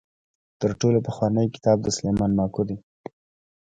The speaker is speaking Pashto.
تر ټولو پخوانی کتاب د سلیمان ماکو دی.